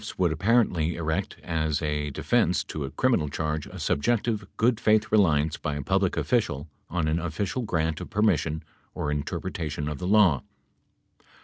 104 would apparently erect as a defense to a criminal charge a subjective, good faith reliance by a public official on an official grant of permis sion or interpretation of the law.